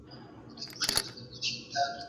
پروتستانان او کاتوليکان پرتله سول.